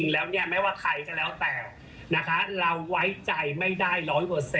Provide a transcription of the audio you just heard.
แล้วก็อะไรต่ออะไรของเด็กที่มันอาจจะฝังอยู่